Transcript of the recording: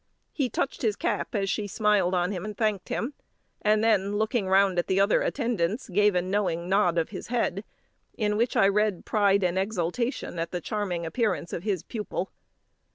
He touched his cap as she smiled on him and thanked him; and then, looking round at the other attendants, gave a knowing nod of his head, in which I read pride and exultation at the charming appearance of his pupil.